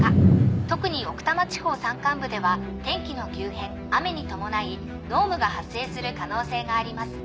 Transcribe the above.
特に奥多摩地方山間部では天気の急変雨に伴い濃霧が発生する可能性があります。